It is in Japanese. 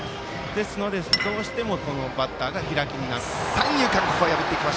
ですので、どうしてもバッターが開いてしまう。